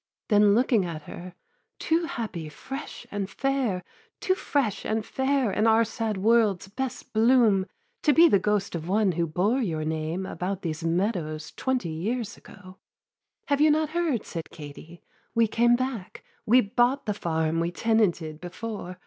Then looking at her; 'Too happy, fresh and fair, Too fresh and fair in our sad world's best bloom, To be the ghost of one who bore your name About these meadows, twenty years ago.' 'Have you not heard?' said Katie, 'we came back. We bought the farm we tenanted before.